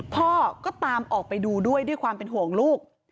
พ่อก็ตามออกไปดูด้วยด้วยความเป็นห่วงลูก